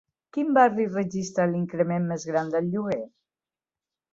Quin barri registra l'increment més gran del lloguer?